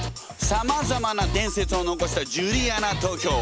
さまざまな伝説を残したジュリアナ東京。